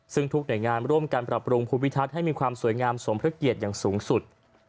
ซึ่งทุกหน่วยงานร่วมกันปรับปรุงภูมิทัศน์ให้มีความสวยงามสมพระเกียรติอย่างสูงสุด